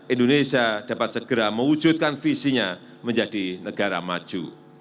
indonesia dapat segera mewujudkan visinya menjadi negara maju